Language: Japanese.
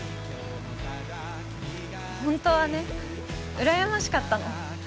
ホントはねうらやましかったの。